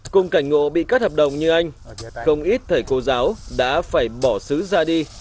cùng cảnh ngộ bị cắt hợp đồng như anh không ít thầy cô giáo đã phải bỏ sứ ra đi